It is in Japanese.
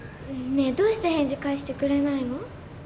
ねえどうして返事返してくれないの？